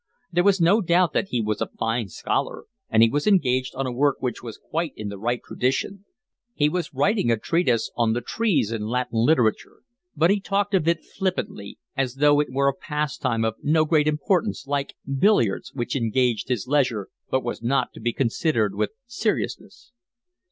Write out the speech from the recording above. There was no doubt that he was a fine scholar, and he was engaged on a work which was quite in the right tradition: he was writing a treatise on the trees in Latin literature; but he talked of it flippantly, as though it were a pastime of no great importance, like billiards, which engaged his leisure but was not to be considered with seriousness.